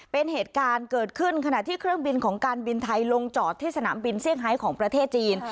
เป็นเหตุการณ์เกิดขึ้นขณะที่เครื่องบินของการบินไทยลงจอดที่สนามบินเซี่ยของประเทศจีน